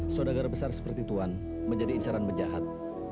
saudara besar seperti tuan menjadi incaran menjahat